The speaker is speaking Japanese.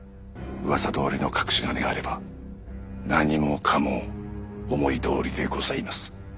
うわさどおりの隠し金があれば何もかも思いどおりでございます。